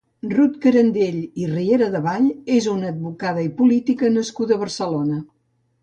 Rut Carandell i Rieradevall és una advocada i política nascuda a Barcelona.